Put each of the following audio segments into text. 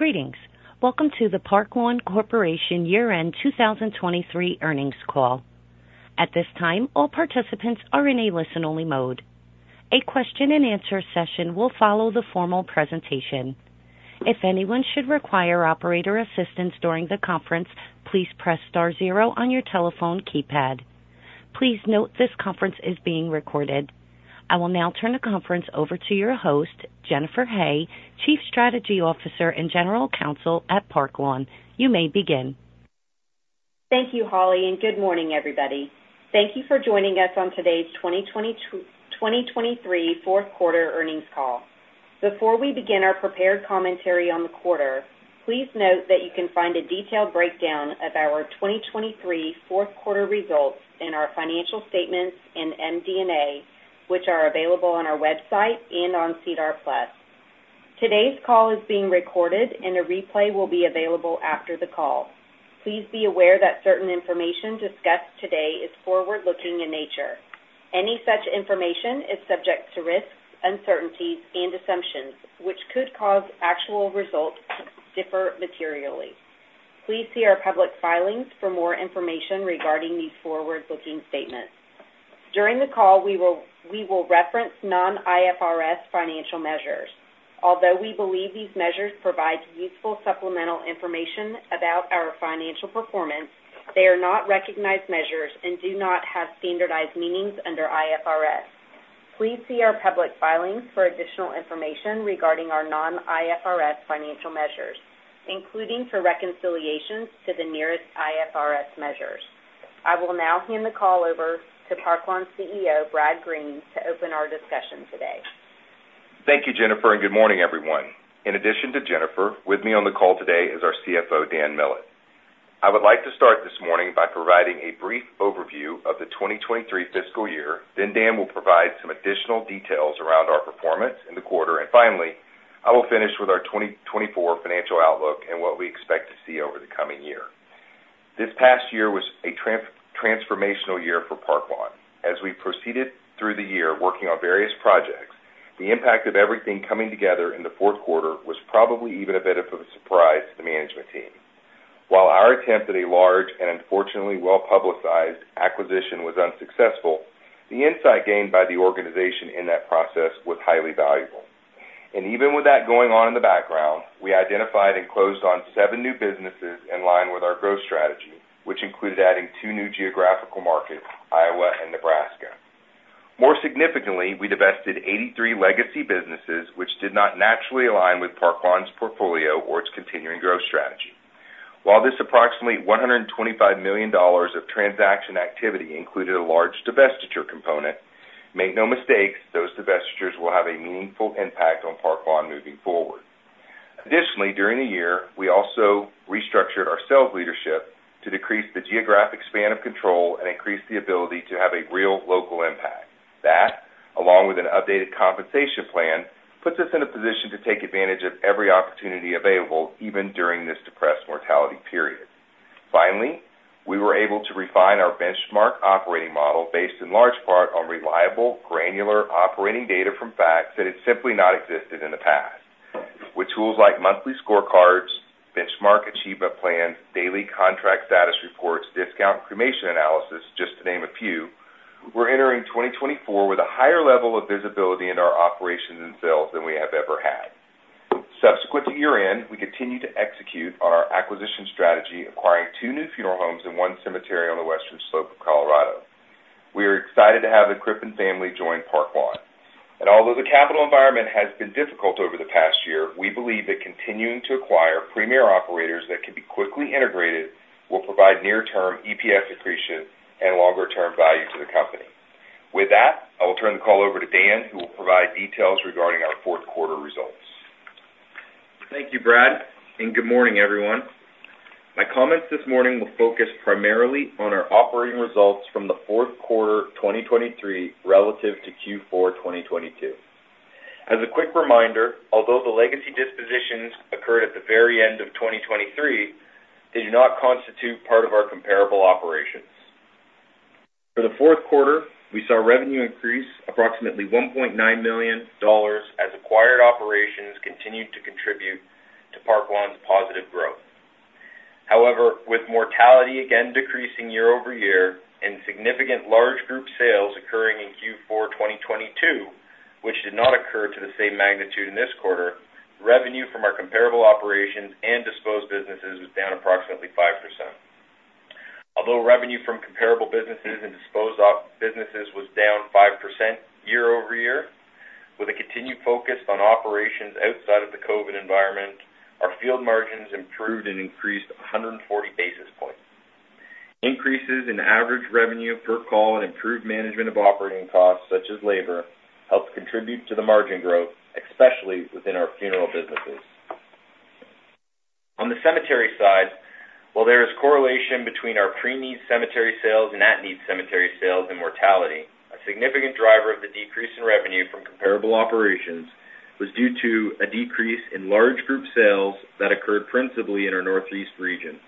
Greetings. Welcome to the Park Lawn Corporation year-end 2023 earnings call. At this time, all participants are in a listen-only mode. A question-and-answer session will follow the formal presentation. If anyone should require operator assistance during the conference, please press star zero on your telephone keypad. Please note this conference is being recorded. I will now turn the conference over to your host, Jennifer Hay, Chief Strategy Officer and General Counsel at Park Lawn. You may begin. Thank you, Holly, and good morning, everybody. Thank you for joining us on today's 2023 fourth-quarter earnings call. Before we begin our prepared commentary on the quarter, please note that you can find a detailed breakdown of our 2023 fourth-quarter results in our financial statements and MD&A, which are available on our website and on SEDAR+. Today's call is being recorded, and a replay will be available after the call. Please be aware that certain information discussed today is forward-looking in nature. Any such information is subject to risks, uncertainties, and assumptions, which could cause actual results to differ materially. Please see our public filings for more information regarding these forward-looking statements. During the call, we will reference non-IFRS financial measures. Although we believe these measures provide useful supplemental information about our financial performance, they are not recognized measures and do not have standardized meanings under IFRS. Please see our public filings for additional information regarding our non-IFRS financial measures, including for reconciliations to the nearest IFRS measures. I will now hand the call over to Park Lawn CEO, Brad Green, to open our discussion today. Thank you, Jennifer, and good morning, everyone. In addition to Jennifer, with me on the call today is our CFO, Dan Millett. I would like to start this morning by providing a brief overview of the 2023 fiscal year, then Dan will provide some additional details around our performance in the quarter, and finally, I will finish with our 2024 financial outlook and what we expect to see over the coming year. This past year was a transformational year for Park Lawn. As we proceeded through the year working on various projects, the impact of everything coming together in the fourth quarter was probably even a bit of a surprise to the management team. While our attempt at a large and unfortunately well-publicized acquisition was unsuccessful, the insight gained by the organization in that process was highly valuable. Even with that going on in the background, we identified and closed on seven new businesses in line with our growth strategy, which included adding two new geographical markets, Iowa and Nebraska. More significantly, we divested 83 legacy businesses, which did not naturally align with Park Lawn's portfolio or its continuing growth strategy. While this approximately $125 million of transaction activity included a large divestiture component, make no mistake, those divestitures will have a meaningful impact on Park Lawn moving forward. Additionally, during the year, we also restructured our sales leadership to decrease the geographic span of control and increase the ability to have a real local impact. That, along with an updated compensation plan, puts us in a position to take advantage of every opportunity available, even during this depressed mortality period. Finally, we were able to refine our benchmark operating model based in large part on reliable, granular operating data from FACTS that had simply not existed in the past. With tools like monthly scorecards, benchmark achievement plans, daily contract status reports, discount and cremation analysis, just to name a few, we're entering 2024 with a higher level of visibility in our operations and sales than we have ever had. Subsequent to year-end, we continue to execute on our acquisition strategy, acquiring two new funeral homes and one cemetery on the western slope of Colorado. We are excited to have the Crippin family join Park Lawn. Although the capital environment has been difficult over the past year, we believe that continuing to acquire premier operators that can be quickly integrated will provide near-term EPS accretion and longer-term value to the company. With that, I will turn the call over to Dan, who will provide details regarding our fourth-quarter results. Thank you, Brad, and good morning, everyone. My comments this morning will focus primarily on our operating results from the fourth quarter 2023 relative to Q4 2022. As a quick reminder, although the legacy dispositions occurred at the very end of 2023, they do not constitute part of our comparable operations. For the fourth quarter, we saw revenue increase approximately 1.9 million dollars as acquired operations continued to contribute to Park Lawn's positive growth. However, with mortality again decreasing year-over-year and significant large group sales occurring in Q4 2022, which did not occur to the same magnitude in this quarter, revenue from our comparable operations and disposed businesses was down approximately 5%. Although revenue from comparable businesses and disposed businesses was down 5% year-over-year, with a continued focus on operations outside of the COVID environment, our field margins improved and increased 140 basis points. Increases in average revenue per call and improved management of operating costs, such as labor, helped contribute to the margin growth, especially within our funeral businesses. On the cemetery side, while there is correlation between our pre-need cemetery sales and at-need cemetery sales and mortality, a significant driver of the decrease in revenue from comparable operations was due to a decrease in large group sales that occurred principally in our northeast region.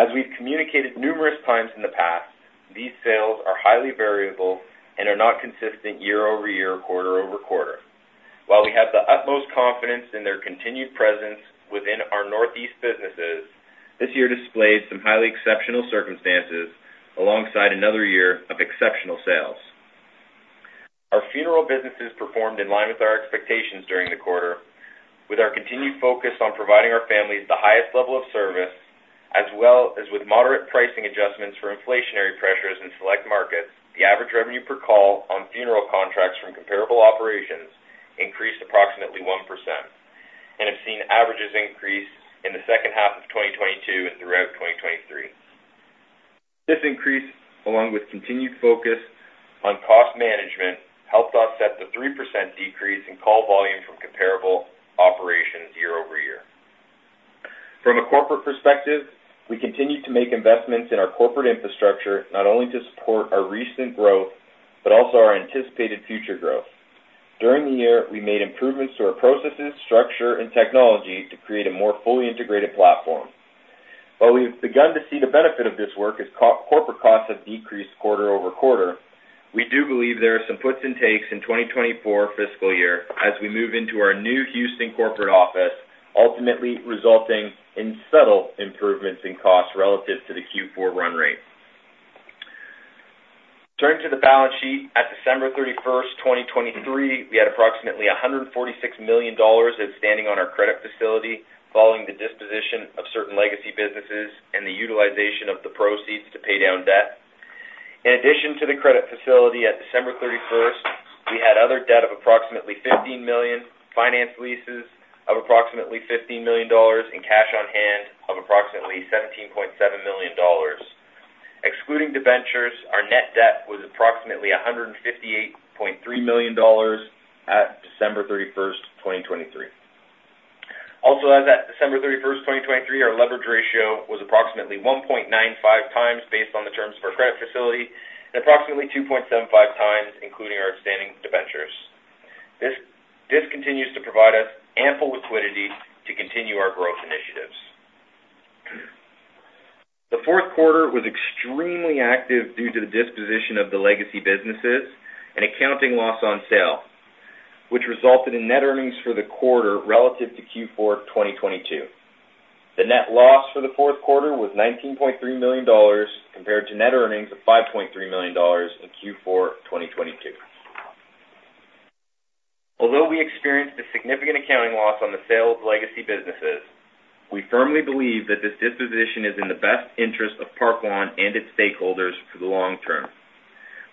As we've communicated numerous times in the past, these sales are highly variable and are not consistent year-over-year, quarter-over-quarter. While we have the utmost confidence in their continued presence within our northeast businesses, this year displayed some highly exceptional circumstances alongside another year of exceptional sales. Our funeral businesses performed in line with our expectations during the quarter. With our continued focus on providing our families the highest level of service, as well as with moderate pricing adjustments for inflationary pressures in select markets, the average revenue per call on funeral contracts from comparable operations increased approximately 1% and have seen averages increase in the second half of 2022 and throughout 2023. This increase, along with continued focus on cost management, helped us set the 3% decrease in call volume from comparable operations year-over-year. From a corporate perspective, we continue to make investments in our corporate infrastructure, not only to support our recent growth but also our anticipated future growth. During the year, we made improvements to our processes, structure, and technology to create a more fully integrated platform. While we have begun to see the benefit of this work as corporate costs have decreased quarter-over-quarter, we do believe there are some puts and takes in 2024 fiscal year as we move into our new Houston corporate office, ultimately resulting in subtle improvements in costs relative to the Q4 run rate. Turning to the balance sheet, at December 31st, 2023, we had approximately 146 million dollars outstanding on our credit facility following the disposition of certain legacy businesses and the utilization of the proceeds to pay down debt. In addition to the credit facility, at December 31st, we had other debt of approximately 15 million, finance leases of approximately 15 million dollars, and cash on hand of approximately 17.7 million dollars. Excluding debentures, our net debt was approximately 158.3 million dollars at December 31st, 2023. Also, as at December 31st, 2023, our leverage ratio was approximately 1.95x based on the terms of our credit facility and approximately 2.75x including our outstanding debentures. This continues to provide us ample liquidity to continue our growth initiatives. The fourth quarter was extremely active due to the disposition of the legacy businesses and accounting loss on sale, which resulted in net earnings for the quarter relative to Q4 2022. The net loss for the fourth quarter was 19.3 million dollars compared to net earnings of 5.3 million dollars in Q4 2022. Although we experienced a significant accounting loss on the sales of legacy businesses, we firmly believe that this disposition is in the best interest of Park Lawn and its stakeholders for the long term.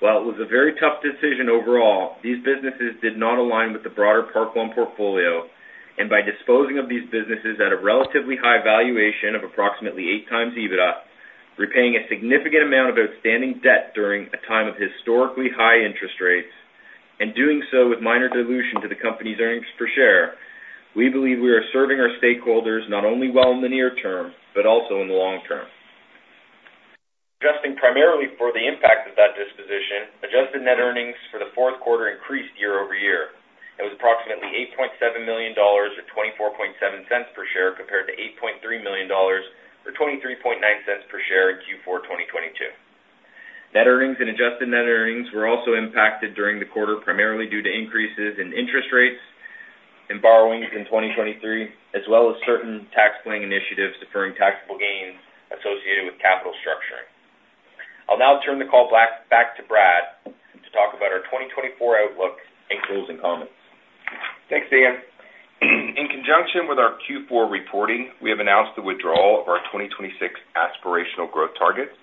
While it was a very tough decision overall, these businesses did not align with the broader Park Lawn portfolio, and by disposing of these businesses at a relatively high valuation of approximately 8x EBITDA, repaying a significant amount of outstanding debt during a time of historically high interest rates, and doing so with minor dilution to the company's earnings per share, we believe we are serving our stakeholders not only well in the near term but also in the long term. Adjusting primarily for the impact of that disposition, adjusted net earnings for the fourth quarter increased year-over-year. It was approximately 8.7 million dollars or 24.7 per share compared to 8.3 million dollars or 23.9 per share in Q4 2022. Net earnings and adjusted net earnings were also impacted during the quarter primarily due to increases in interest rates and borrowings in 2023, as well as certain taxpaying initiatives deferring taxable gains associated with capital structuring. I'll now turn the call back to Brad to talk about our 2024 outlook and tools and comments. Thanks, Dan. In conjunction with our Q4 reporting, we have announced the withdrawal of our 2026 aspirational growth targets.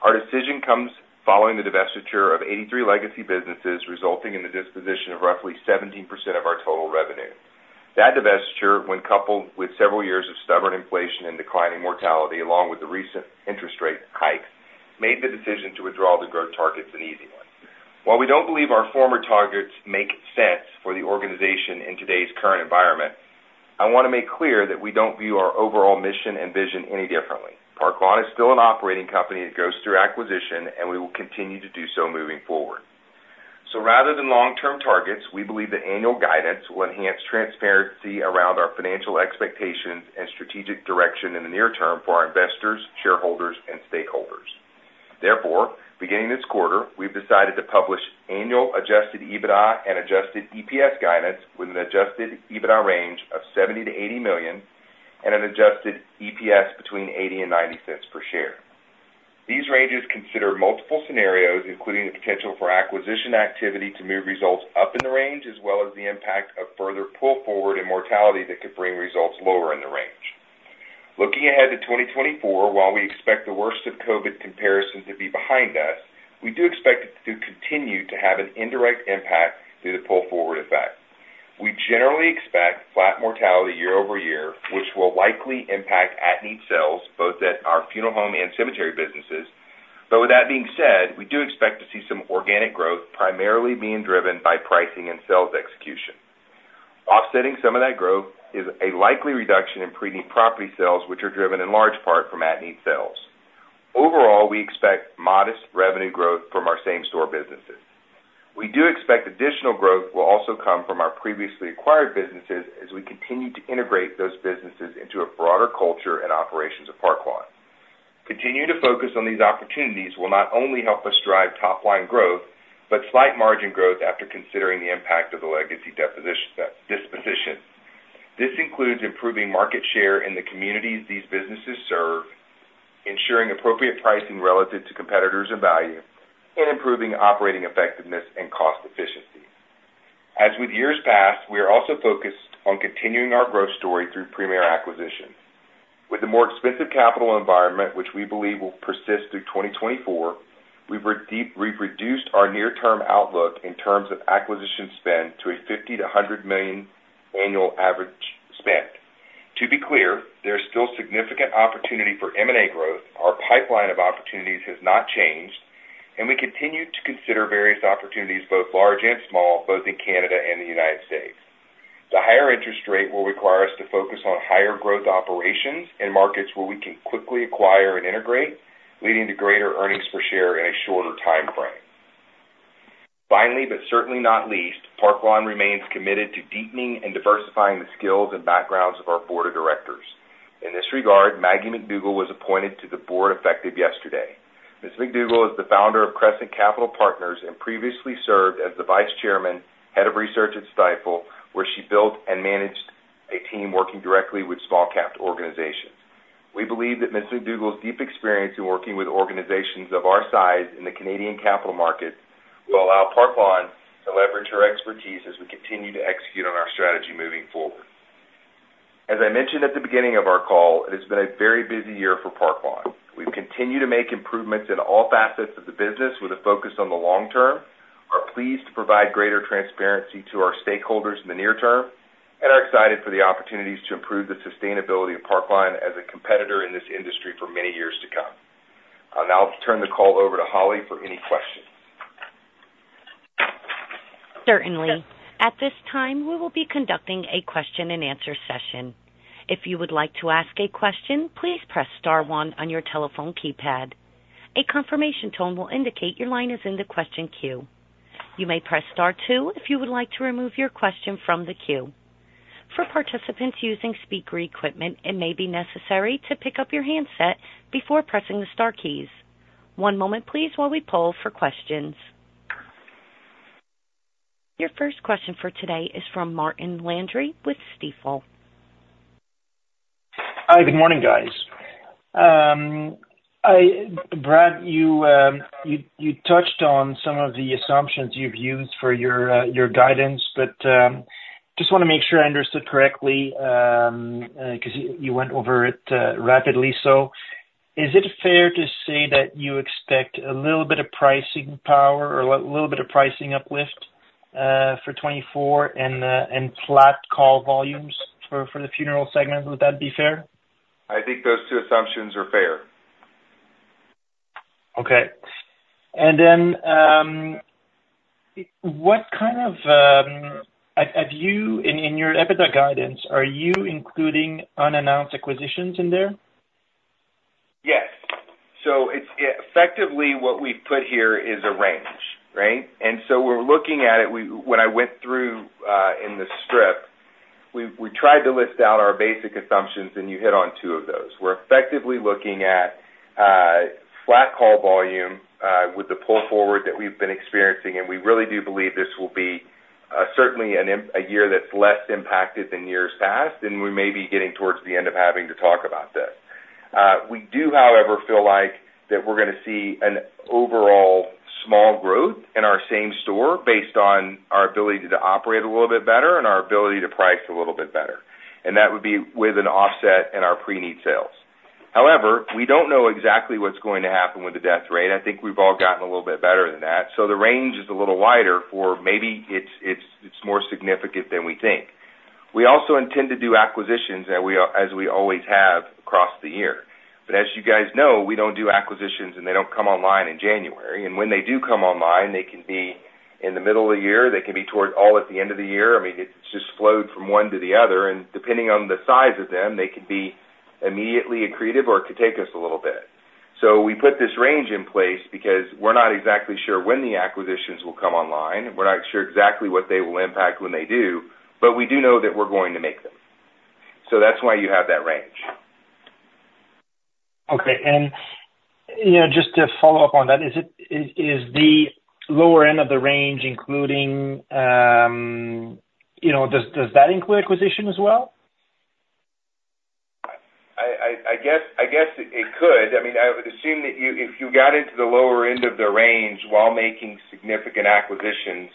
Our decision comes following the divestiture of 83 legacy businesses, resulting in the disposition of roughly 17% of our total revenue. That divestiture, when coupled with several years of stubborn inflation and declining mortality along with the recent interest rate hikes, made the decision to withdraw the growth targets an easy one. While we don't believe our former targets make sense for the organization in today's current environment, I want to make clear that we don't view our overall mission and vision any differently. Park Lawn is still an operating company that goes through acquisition, and we will continue to do so moving forward. Rather than long-term targets, we believe that annual guidance will enhance transparency around our financial expectations and strategic direction in the near term for our investors, shareholders, and stakeholders. Therefore, beginning this quarter, we've decided to publish annual Adjusted EBITDA and Adjusted EPS guidance with an Adjusted EBITDA range of 70 million-80 million and an Adjusted EPS between 0.80 and 0.90 per share. These ranges consider multiple scenarios, including the potential for acquisition activity to move results up in the range, as well as the impact of further pull forward in mortality that could bring results lower in the range. Looking ahead to 2024, while we expect the worst of COVID comparisons to be behind us, we do expect it to continue to have an indirect impact due to pull forward effect. We generally expect flat mortality year-over-year, which will likely impact at-need sales both at our funeral home and cemetery businesses. But with that being said, we do expect to see some organic growth primarily being driven by pricing and sales execution. Offsetting some of that growth is a likely reduction in pre-need property sales, which are driven in large part from at-need sales. Overall, we expect modest revenue growth from our same-store businesses. We do expect additional growth will also come from our previously acquired businesses as we continue to integrate those businesses into a broader culture and operations of Park Lawn. Continuing to focus on these opportunities will not only help us drive top-line growth but slight margin growth after considering the impact of the legacy disposition. This includes improving market share in the communities these businesses serve, ensuring appropriate pricing relative to competitors and value, and improving operating effectiveness and cost efficiency. As with years past, we are also focused on continuing our growth story through premier acquisitions. With the more expensive capital environment, which we believe will persist through 2024, we've reduced our near-term outlook in terms of acquisition spend to a 50 million-100 million annual average spend. To be clear, there is still significant opportunity for M&A growth. Our pipeline of opportunities has not changed, and we continue to consider various opportunities, both large and small, both in Canada and the United States. The higher interest rate will require us to focus on higher growth operations in markets where we can quickly acquire and integrate, leading to greater earnings per share in a shorter time frame. Finally, but certainly not least, Park Lawn remains committed to deepening and diversifying the skills and backgrounds of our board of directors. In this regard, Maggie MacDougall was appointed to the board effective yesterday. Ms. MacDougall is the founder of Crescent Capital Partners and previously served as the Vice Chairman, Head of Research at Stifel, where she built and managed a team working directly with small-cap organizations. We believe that Ms. MacDougall's deep experience in working with organizations of our size in the Canadian capital markets will allow Park Lawn to leverage her expertise as we continue to execute on our strategy moving forward. As I mentioned at the beginning of our call, it has been a very busy year for Park Lawn. We've continued to make improvements in all facets of the business with a focus on the long term, are pleased to provide greater transparency to our stakeholders in the near term, and are excited for the opportunities to improve the sustainability of Park Lawn as a competitor in this industry for many years to come. I'll now turn the call over to Holly for any questions. Certainly. At this time, we will be conducting a question-and-answer session. If you would like to ask a question, please press star one on your telephone keypad. A confirmation tone will indicate your line is in the question queue. You may press star two if you would like to remove your question from the queue. For participants using speaker equipment, it may be necessary to pick up your handset before pressing the star keys. One moment, please, while we pull for questions. Your first question for today is from Martin Landry with Stifel. Hi. Good morning, guys. Brad, you touched on some of the assumptions you've used for your guidance, but just want to make sure I understood correctly because you went over it rapidly. So is it fair to say that you expect a little bit of pricing power or a little bit of pricing uplift for 2024 and flat call volumes for the funeral segments? Would that be fair? I think those two assumptions are fair. Okay. And then, what kind of, in your EBITDA guidance, are you including unannounced acquisitions in there? Yes. So effectively, what we've put here is a range, right? And so we're looking at it when I went through in the strip, we tried to list out our basic assumptions, and you hit on two of those. We're effectively looking at flat call volume with the pull forward that we've been experiencing, and we really do believe this will be certainly a year that's less impacted than years past, and we may be getting towards the end of having to talk about this. We do, however, feel like that we're going to see an overall small growth in our same store based on our ability to operate a little bit better and our ability to price a little bit better. And that would be with an offset in our pre-needs sales. However, we don't know exactly what's going to happen with the death rate. I think we've all gotten a little bit better than that. So the range is a little wider for maybe it's more significant than we think. We also intend to do acquisitions as we always have across the year. But as you guys know, we don't do acquisitions, and they don't come online in January. And when they do come online, they can be in the middle of the year. They can be toward all at the end of the year. I mean, it just flowed from one to the other. And depending on the size of them, they can be immediately accretive or it could take us a little bit. So we put this range in place because we're not exactly sure when the acquisitions will come online. We're not sure exactly what they will impact when they do, but we do know that we're going to make them. That's why you have that range. Okay. And just to follow up on that, is the lower end of the range including does that include acquisitions as well? I guess it could. I mean, I would assume that if you got into the lower end of the range while making significant acquisitions,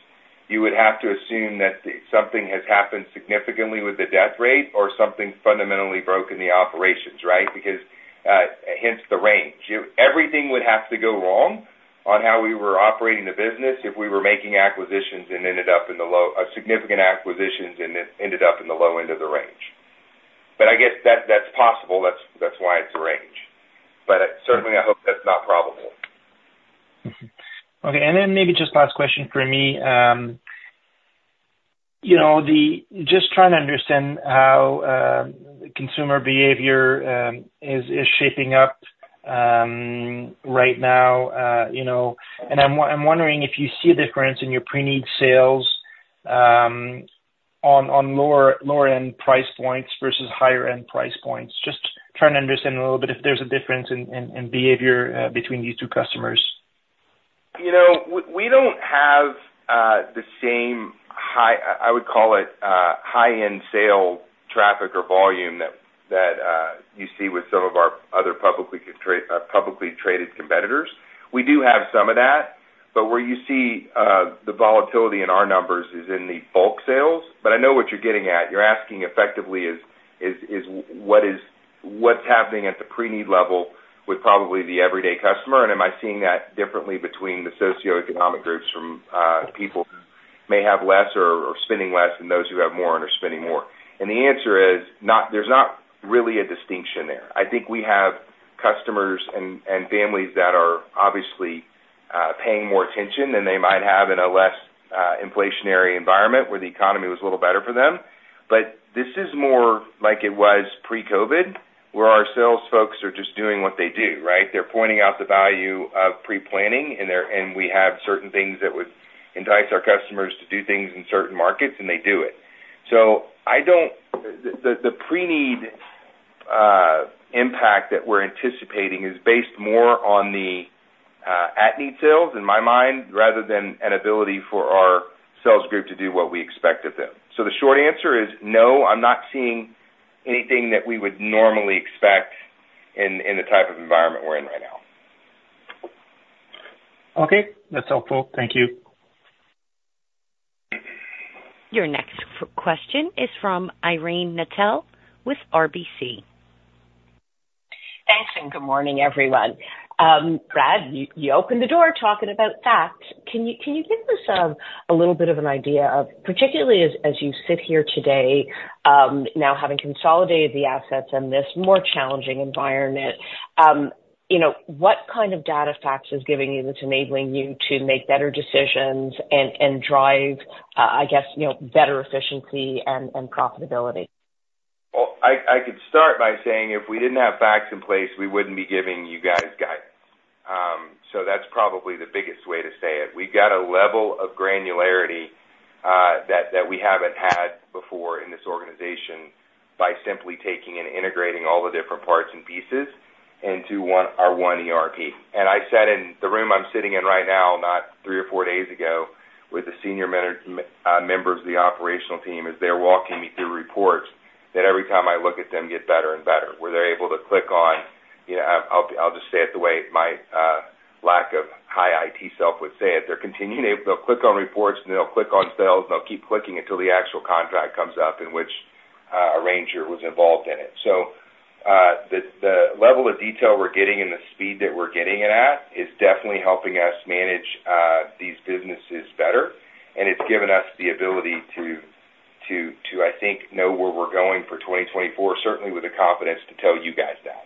you would have to assume that something has happened significantly with the death rate or something fundamentally broke in the operations, right, because hence the range. Everything would have to go wrong on how we were operating the business if we were making acquisitions and ended up in the low significant acquisitions and ended up in the low end of the range. But I guess that's possible. That's why it's a range. But certainly, I hope that's not probable. Okay. And then maybe just last question for me. Just trying to understand how consumer behavior is shaping up right now. And I'm wondering if you see a difference in your pre-need sales on lower-end price points versus higher-end price points. Just trying to understand a little bit if there's a difference in behavior between these two customers. We don't have the same, I would call it, high-end sale traffic or volume that you see with some of our other publicly traded competitors. We do have some of that, but where you see the volatility in our numbers is in the bulk sales. But I know what you're getting at. You're asking, effectively, what's happening at the pre-need level with probably the everyday customer, and am I seeing that differently between the socioeconomic groups from people who may have less or are spending less and those who have more and are spending more? And the answer is, there's not really a distinction there. I think we have customers and families that are obviously paying more attention than they might have in a less inflationary environment where the economy was a little better for them. But this is more like it was pre-COVID, where our sales folks are just doing what they do, right? They're pointing out the value of pre-planning, and we have certain things that would entice our customers to do things in certain markets, and they do it. So the pre-needs impact that we're anticipating is based more on the at-needs sales in my mind rather than an ability for our sales group to do what we expect of them. So the short answer is, no, I'm not seeing anything that we would normally expect in the type of environment we're in right now. Okay. That's helpful. Thank you. Your next question is from Irene Nattel with RBC. Thanks, and good morning, everyone. Brad, you opened the door talking about FACTS. Can you give us a little bit of an idea of, particularly as you sit here today, now having consolidated the assets in this more challenging environment, what kind of data FACTS is giving you that's enabling you to make better decisions and drive, I guess, better efficiency and profitability? Well, I could start by saying if we didn't have FACTS in place, we wouldn't be giving you guys guidance. So that's probably the biggest way to say it. We've got a level of granularity that we haven't had before in this organization by simply taking and integrating all the different parts and pieces into our one ERP. And I said in the room I'm sitting in right now, not three or four days ago, with the senior members of the operational team as they're walking me through reports that every time I look at them, get better and better, where they're able to click on. I'll just say it the way my lack of high IT self would say it. They'll click on reports, and they'll click on sales, and they'll keep clicking until the actual contract comes up in which arranger was involved in it. So the level of detail we're getting and the speed that we're getting it at is definitely helping us manage these businesses better, and it's given us the ability to, I think, know where we're going for 2024, certainly with the confidence to tell you guys that.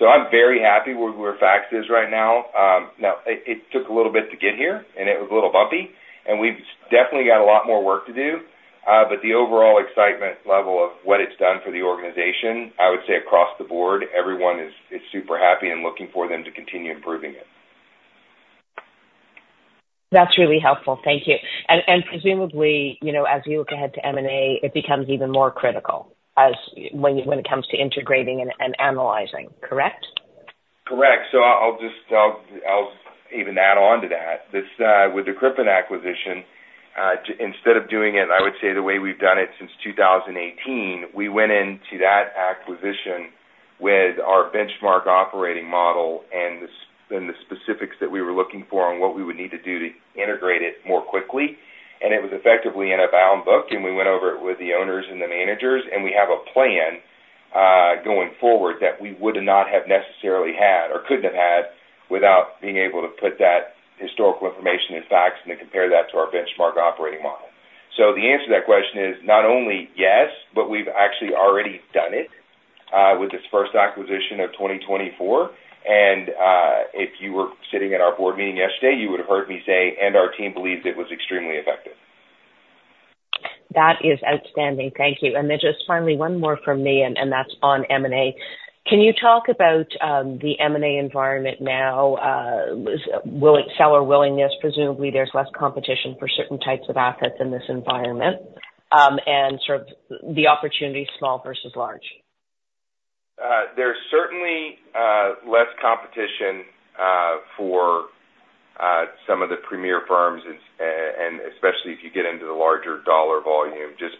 So I'm very happy where FACTS is right now. Now, it took a little bit to get here, and it was a little bumpy. And we've definitely got a lot more work to do. But the overall excitement level of what it's done for the organization, I would say across the board, everyone is super happy and looking for them to continue improving it. That's really helpful. Thank you. And presumably, as you look ahead to M&A, it becomes even more critical when it comes to integrating and analyzing, correct? Correct. So I'll even add on to that. With the Crippin acquisition, instead of doing it, I would say the way we've done it since 2018, we went into that acquisition with our benchmark operating model and the specifics that we were looking for and what we would need to do to integrate it more quickly. And it was effectively in a bound book, and we went over it with the owners and the managers. And we have a plan going forward that we would not have necessarily had or couldn't have had without being able to put that historical information in FACTS and to compare that to our benchmark operating model. So the answer to that question is not only yes, but we've actually already done it with this first acquisition of 2024. If you were sitting at our board meeting yesterday, you would have heard me say, "And our team believes it was extremely effective. That is outstanding. Thank you. Then just finally, one more from me, and that's on M&A. Can you talk about the M&A environment now? Seller willingness, presumably, there's less competition for certain types of assets in this environment and sort of the opportunity, small versus large? There's certainly less competition for some of the premier firms, and especially if you get into the larger dollar volume, just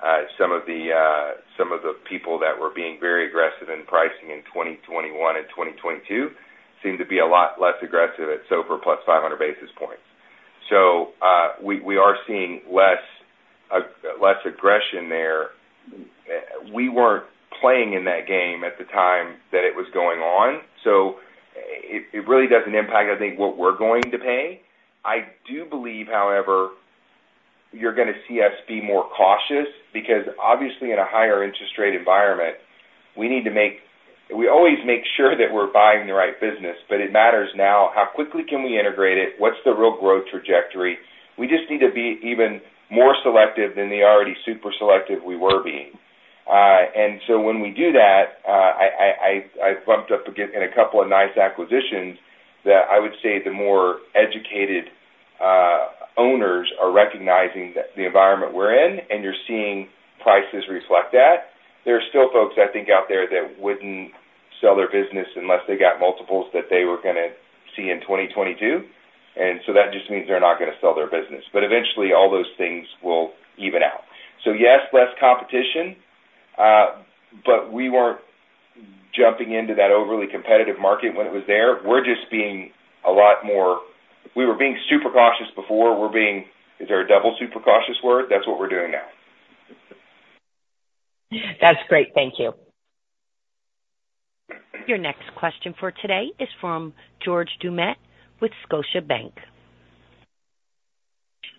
because some of the people that were being very aggressive in pricing in 2021 and 2022 seem to be a lot less aggressive at SOFR plus 500 basis points. So we are seeing less aggression there. We weren't playing in that game at the time that it was going on. So it really doesn't impact, I think, what we're going to pay. I do believe, however, you're going to see us be more cautious because, obviously, in a higher interest rate environment, we need to make we always make sure that we're buying the right business, but it matters now how quickly can we integrate it? What's the real growth trajectory? We just need to be even more selective than the already super selective we were being. And so when we do that, I've bumped up in a couple of nice acquisitions that I would say the more educated owners are recognizing the environment we're in, and you're seeing prices reflect that. There are still folks, I think, out there that wouldn't sell their business unless they got multiples that they were going to see in 2022. And so that just means they're not going to sell their business. But eventually, all those things will even out. So yes, less competition, but we weren't jumping into that overly competitive market when it was there. We're just being a lot more we were being super cautious before. That's what we're doing now. That's great. Thank you. Your next question for today is from George Doumet with Scotiabank.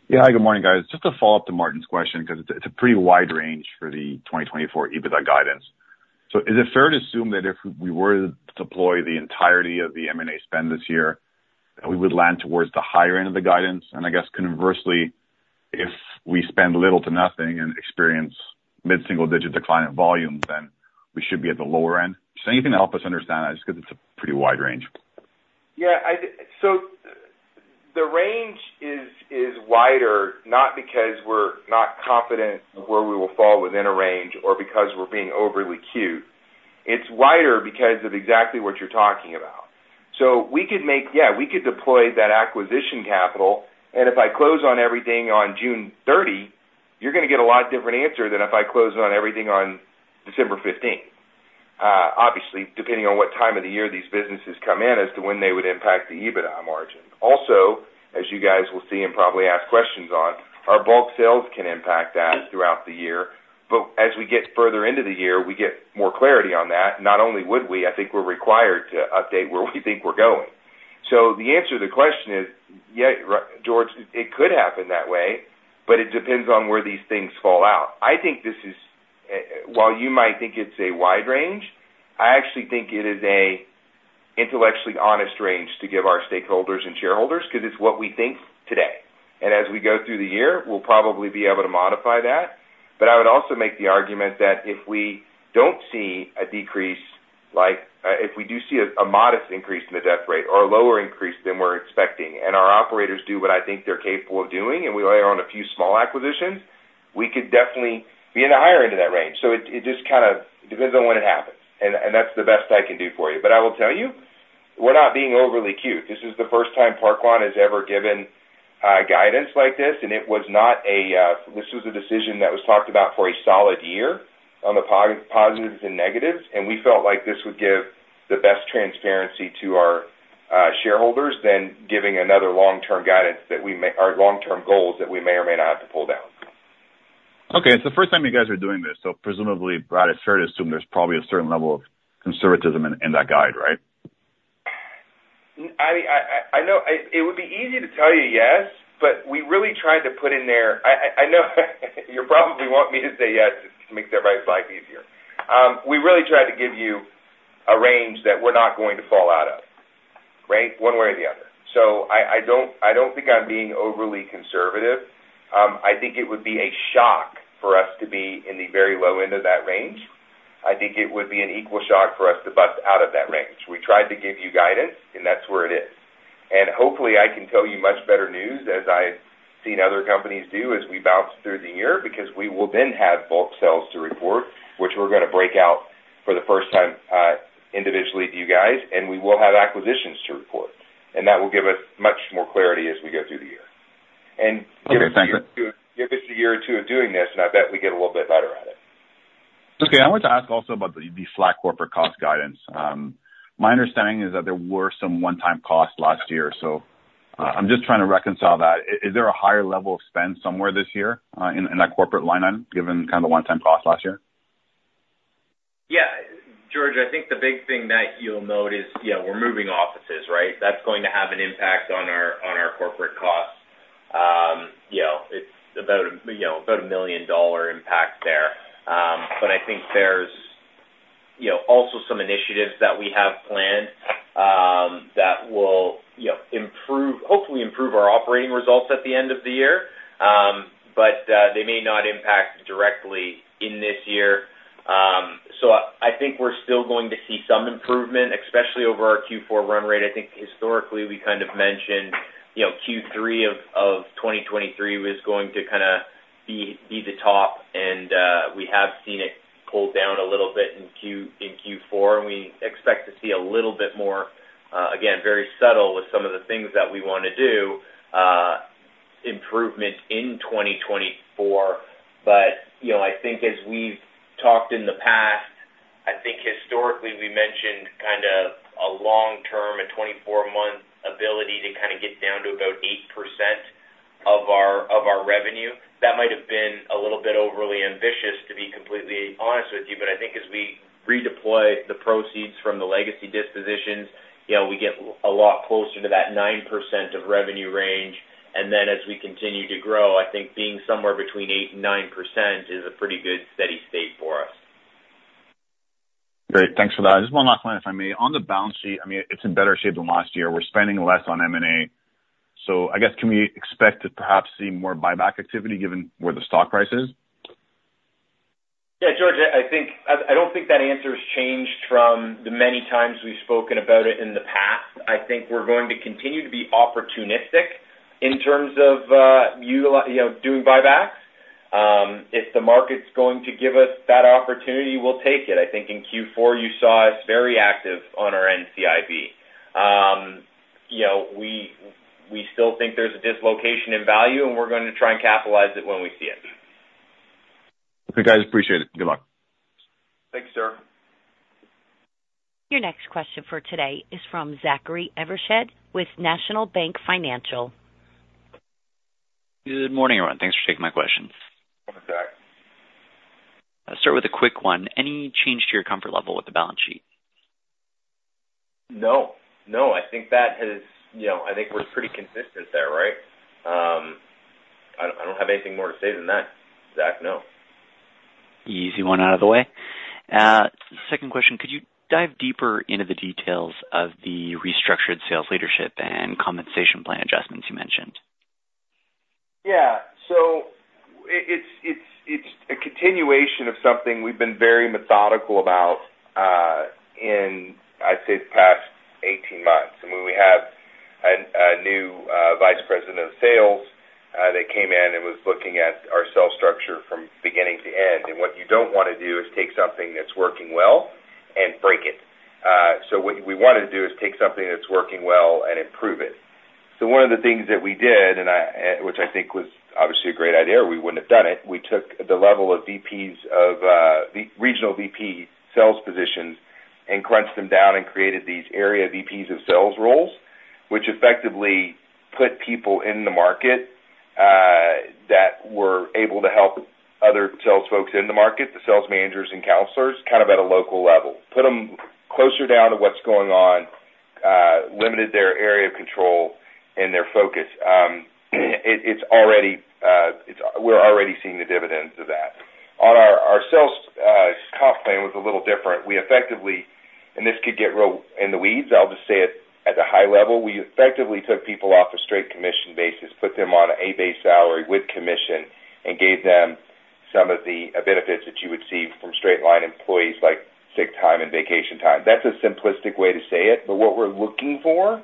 Yeah. Hi. Good morning, guys. Just a follow-up to Martin's question because it's a pretty wide range for the 2024 EBITDA guidance. So is it fair to assume that if we were to deploy the entirety of the M&A spend this year, we would land towards the higher end of the guidance? And I guess, conversely, if we spend little to nothing and experience mid-single-digit decline in volume, then we should be at the lower end? Just anything to help us understand that just because it's a pretty wide range. Yeah. So the range is wider not because we're not confident of where we will fall within a range or because we're being overly cute. It's wider because of exactly what you're talking about. So yeah, we could deploy that acquisition capital. And if I close on everything on June 30, you're going to get a lot different answer than if I close on everything on December 15th, obviously, depending on what time of the year these businesses come in as to when they would impact the EBITDA margin. Also, as you guys will see and probably ask questions on, our bulk sales can impact that throughout the year. But as we get further into the year, we get more clarity on that. Not only would we, I think we're required to update where we think we're going. So the answer to the question is, yeah, George, it could happen that way, but it depends on where these things fall out. I think this is, while you might think it's a wide range, I actually think it is an intellectually honest range to give our stakeholders and shareholders because it's what we think today. And as we go through the year, we'll probably be able to modify that. But I would also make the argument that if we don't see a decrease, if we do see a modest increase in the death rate or a lower increase than we're expecting and our operators do what I think they're capable of doing, and we layer on a few small acquisitions, we could definitely be in the higher end of that range. So it just kind of depends on when it happens. That's the best I can do for you. But I will tell you, we're not being overly cute. This is the first time Park Lawn has ever given guidance like this, and it was a decision that was talked about for a solid year on the positives and negatives. We felt like this would give the best transparency to our shareholders than giving another long-term guidance that we or long-term goals that we may or may not have to pull down. Okay. It's the first time you guys are doing this. So presumably, Brad, it's fair to assume there's probably a certain level of conservatism in that guide, right? I mean, it would be easy to tell you yes, but we really tried to put in there I know you'll probably want me to say yes just to make everybody's life easier. We really tried to give you a range that we're not going to fall out of, right, one way or the other. So I don't think I'm being overly conservative. I think it would be a shock for us to be in the very low end of that range. I think it would be an equal shock for us to bust out of that range. We tried to give you guidance, and that's where it is. Hopefully, I can tell you much better news as I've seen other companies do as we bounce through the year because we will then have bulk sales to report, which we're going to break out for the first time individually to you guys. We will have acquisitions to report. That will give us much more clarity as we go through the year. Give us a year or two of doing this, and I bet we get a little bit better at it. Okay. I wanted to ask also about the flat corporate cost guidance. My understanding is that there were some one-time costs last year. So I'm just trying to reconcile that. Is there a higher level of spend somewhere this year in that corporate line item given kind of the one-time cost last year? Yeah. George, I think the big thing that you'll note is, yeah, we're moving offices, right? That's going to have an impact on our corporate costs. It's about a $1 million impact there. But I think there's also some initiatives that we have planned that will hopefully improve our operating results at the end of the year, but they may not impact directly in this year. So I think we're still going to see some improvement, especially over our Q4 run rate. I think historically, we kind of mentioned Q3 of 2023 was going to kind of be the top, and we have seen it pull down a little bit in Q4. And we expect to see a little bit more again, very subtle with some of the things that we want to do, improvement in 2024. I think as we've talked in the past, I think historically, we mentioned kind of a long-term, a 24-month ability to kind of get down to about 8% of our revenue. That might have been a little bit overly ambitious, to be completely honest with you. I think as we redeploy the proceeds from the legacy dispositions, we get a lot closer to that 9% of revenue range. Then as we continue to grow, I think being somewhere between 8% and 9% is a pretty good steady state for us. Great. Thanks for that. Just one last line, if I may. On the balance sheet, I mean, it's in better shape than last year. We're spending less on M&A. So I guess, can we expect to perhaps see more buyback activity given where the stock price is? Yeah. George, I don't think that answer has changed from the many times we've spoken about it in the past. I think we're going to continue to be opportunistic in terms of doing buybacks. If the market's going to give us that opportunity, we'll take it. I think in Q4, you saw us very active on our NCIB. We still think there's a dislocation in value, and we're going to try and capitalize it when we see it. Okay, guys. Appreciate it. Good luck. Thanks, sir. Your next question for today is from Zachary Evershed with National Bank Financial. Good morning, everyone. Thanks for taking my question. Welcome, Zach. I'll start with a quick one. Any change to your comfort level with the balance sheet? No. No. I think that has. I think we're pretty consistent there, right? I don't have anything more to say than that, Zach. No. Easy one out of the way. Second question, could you dive deeper into the details of the restructured sales leadership and compensation plan adjustments you mentioned? Yeah. So it's a continuation of something we've been very methodical about in, I'd say, the past 18 months. And when we had a new vice president of sales that came in and was looking at our sales structure from beginning to end. And what you don't want to do is take something that's working well and break it. So what we wanted to do is take something that's working well and improve it. So one of the things that we did, which I think was obviously a great idea, or we wouldn't have done it, we took the level of regional VP sales positions and crunched them down and created these area VPs of sales roles, which effectively put people in the market that were able to help other sales folks in the market, the sales managers and counselors, kind of at a local level, put them closer down to what's going on, limited their area of control and their focus. We're already seeing the dividends of that. Our sales comp plan was a little different. And this could get real in the weeds. I'll just say it at a high level. We effectively took people off a straight commission basis, put them on a base salary with commission, and gave them some of the benefits that you would see from salaried employees like sick time and vacation time. That's a simplistic way to say it. But what we're looking for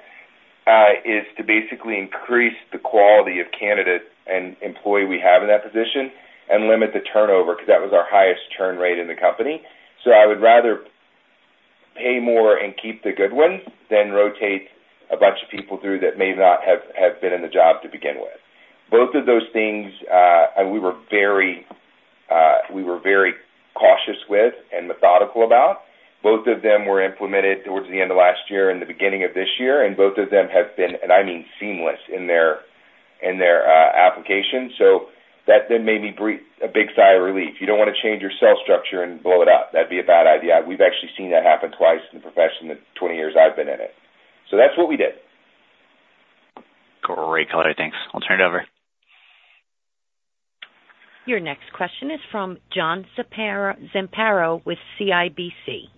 is to basically increase the quality of candidate and employee we have in that position and limit the turnover because that was our highest turn rate in the company. So I would rather pay more and keep the good ones than rotate a bunch of people through that may not have been in the job to begin with. Both of those things, and we were very cautious with and methodical about, both of them were implemented towards the end of last year and the beginning of this year. Both of them have been, and I mean, seamless in their application. That then made me a big sigh of relief. You don't want to change your sales structure and blow it up. That'd be a bad idea. We've actually seen that happen twice in the profession in the 20 years I've been in it. That's what we did. Great, Claudia. Thanks. I'll turn it over. Your next question is from John Zamparo with CIBC.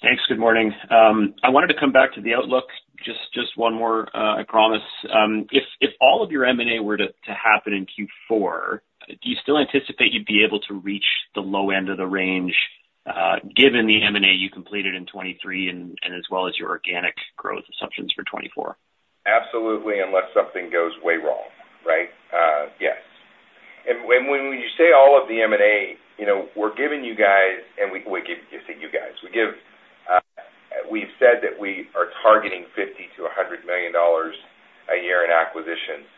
Thanks. Good morning. I wanted to come back to the outlook. Just one more, I promise. If all of your M&A were to happen in Q4, do you still anticipate you'd be able to reach the low end of the range given the M&A you completed in 2023 and as well as your organic growth assumptions for 2024? Absolutely, unless something goes way wrong, right? Yes. And when you say all of the M&A, we're giving you guys and we say you guys. We've said that we are targeting $50 million-$100 million a year in acquisitions.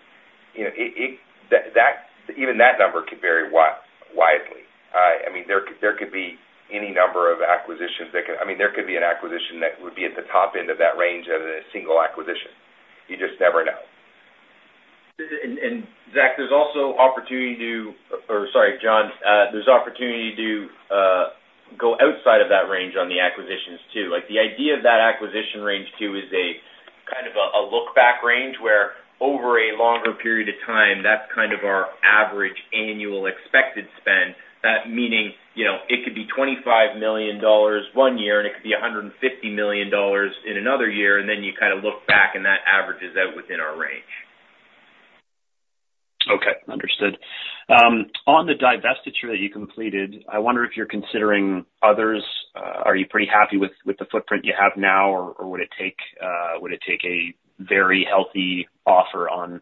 Even that number could vary widely. I mean, there could be any number of acquisitions, I mean, there could be an acquisition that would be at the top end of that range of a single acquisition. You just never know. And Zach, there's also opportunity to, or sorry, John. There's opportunity to go outside of that range on the acquisitions too. The idea of that acquisition range too is kind of a look-back range where over a longer period of time, that's kind of our average annual expected spend, meaning it could be $25 million one year, and it could be $150 million in another year. And then you kind of look back, and that averages out within our range. Okay. Understood. On the divestiture that you completed, I wonder if you're considering others. Are you pretty happy with the footprint you have now, or would it take a very healthy offer on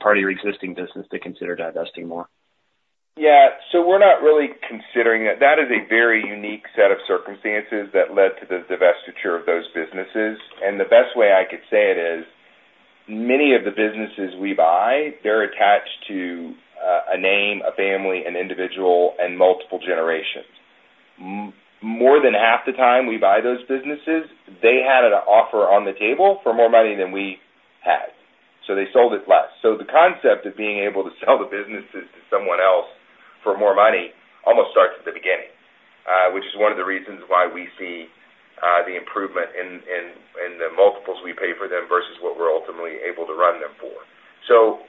part of your existing business to consider divesting more? Yeah. We're not really considering that. That is a very unique set of circumstances that led to the divestiture of those businesses. The best way I could say it is many of the businesses we buy, they're attached to a name, a family, an individual, and multiple generations. More than half the time we buy those businesses, they had an offer on the table for more money than we had. They sold it less. The concept of being able to sell the businesses to someone else for more money almost starts at the beginning, which is one of the reasons why we see the improvement in the multiples we pay for them versus what we're ultimately able to run them for.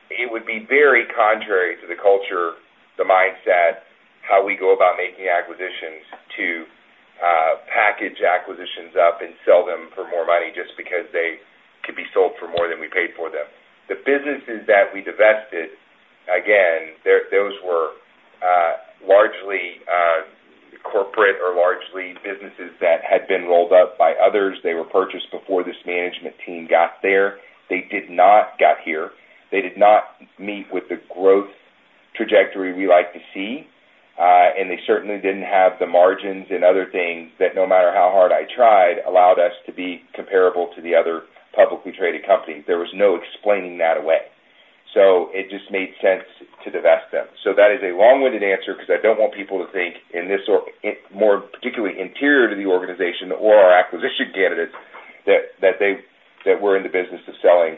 It would be very contrary to the culture, the mindset, how we go about making acquisitions to package acquisitions up and sell them for more money just because they could be sold for more than we paid for them. The businesses that we divested, again, those were largely corporate or largely businesses that had been rolled up by others. They were purchased before this management team got there. They did not get here. They did not meet with the growth trajectory we like to see. They certainly didn't have the margins and other things that no matter how hard I tried allowed us to be comparable to the other publicly traded companies. There was no explaining that away. It just made sense to divest them. That is a long-winded answer because I don't want people to think, more particularly interior to the organization or our acquisition candidates, that we're in the business of selling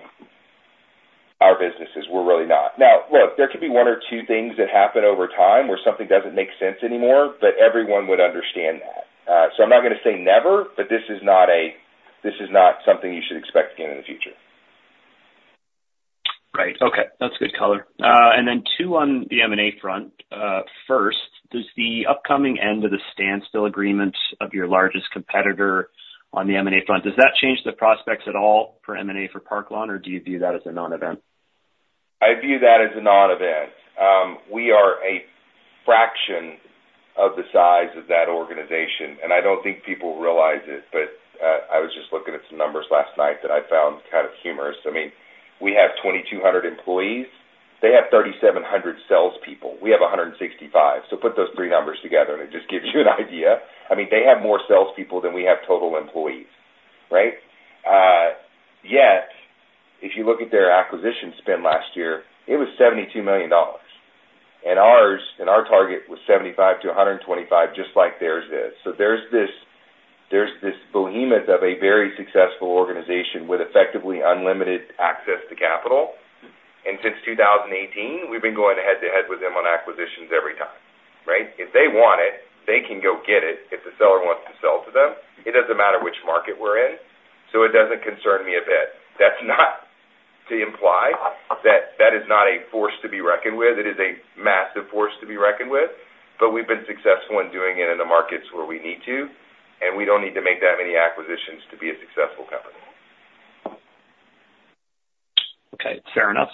our businesses. We're really not. Now, look, there could be one or two things that happen over time where something doesn't make sense anymore, but everyone would understand that. So I'm not going to say never, but this is not something you should expect again in the future. Right. Okay. That's good color. And then two on the M&A front. First, does the upcoming end of the standstill agreement of your largest competitor on the M&A front, does that change the prospects at all for M&A for Park Lawn, or do you view that as a non-event? I view that as a non-event. We are a fraction of the size of that organization. I don't think people realize it, but I was just looking at some numbers last night that I found kind of humorous. I mean, we have 2,200 employees. They have 3,700 salespeople. We have 165. Put those three numbers together, and it just gives you an idea. I mean, they have more salespeople than we have total employees, right? Yet, if you look at their acquisition spend last year, it was $72 million. Our target was $75 million-$125 million just like theirs is. There's this behemoth of a very successful organization with effectively unlimited access to capital. Since 2018, we've been going head-to-head with them on acquisitions every time, right? If they want it, they can go get it if the seller wants to sell to them. It doesn't matter which market we're in. So it doesn't concern me a bit. That's not to imply that that is not a force to be reckoned with. It is a massive force to be reckoned with. But we've been successful in doing it in the markets where we need to. And we don't need to make that many acquisitions to be a successful company. Okay. Fair enough.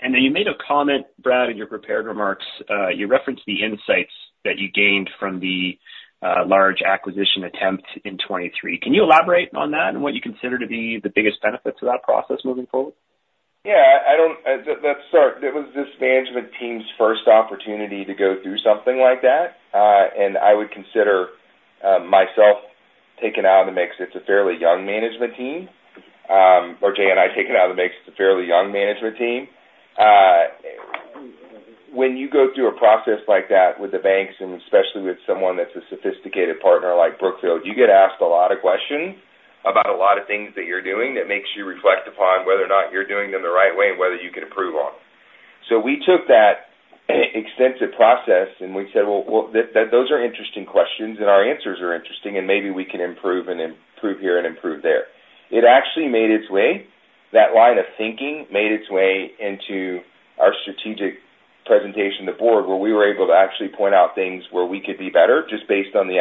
And then you made a comment, Brad, in your prepared remarks. You referenced the insights that you gained from the large acquisition attempt in 2023. Can you elaborate on that and what you consider to be the biggest benefits of that process moving forward? Yeah. Sorry. It was this management team's first opportunity to go through something like that. And I would consider myself taken out of the mix. It's a fairly young management team. Or Jay and I taken out of the mix. It's a fairly young management team. When you go through a process like that with the banks and especially with someone that's a sophisticated partner like Brookfield, you get asked a lot of questions about a lot of things that you're doing that makes you reflect upon whether or not you're doing them the right way and whether you can improve on them. So we took that extensive process, and we said, "Well, those are interesting questions, and our answers are interesting, and maybe we can improve here and improve there." It actually made its way. That line of thinking made its way into our strategic presentation, the board, where we were able to actually point out things where we could be better just based on the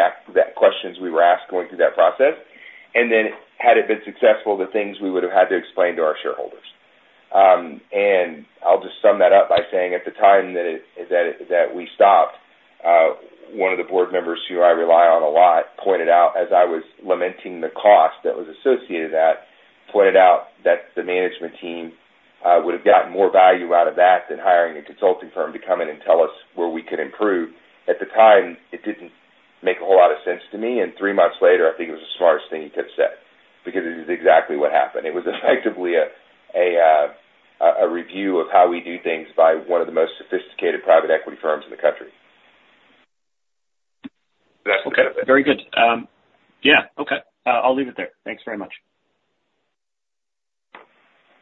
questions we were asked going through that process and then had it been successful, the things we would have had to explain to our shareholders. And I'll just sum that up by saying at the time that we stopped, one of the board members who I rely on a lot pointed out, as I was lamenting the cost that was associated with that, pointed out that the management team would have gotten more value out of that than hiring a consulting firm to come in and tell us where we could improve. At the time, it didn't make a whole lot of sense to me. Three months later, I think it was the smartest thing he could have said because it was exactly what happened. It was effectively a review of how we do things by one of the most sophisticated private equity firms in the country. That's the tip of it. Okay. Very good. Yeah. Okay. I'll leave it there. Thanks very much.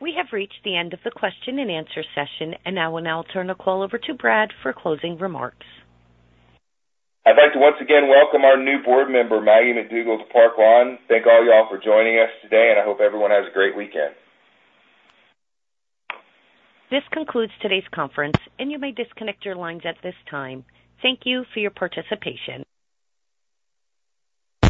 We have reached the end of the question-and-answer session, and now I'll turn the call over to Brad for closing remarks. I'd like to once again welcome our new board member, Maggie MacDougall, to Park Lawn. Thank all y'all for joining us today, and I hope everyone has a great weekend. This concludes today's conference, and you may disconnect your lines at this time. Thank you for your participation.